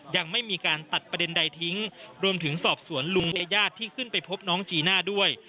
ยังไม่มีการตัดประเด็นใดทิ้งรวมถึงสอบสวนลุงและญาติที่ขึ้นไปพบน้องจีน่าด้วย